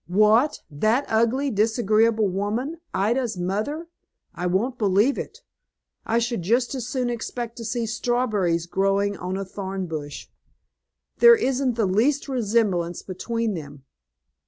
"What, that ugly, disagreeable woman, Ida's mother! I won't believe it. I should just as soon expect to see strawberries growing on a thorn bush. There isn't the least resemblance between them."